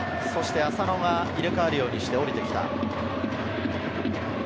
浅野が入れ替わるようにして下りてきた。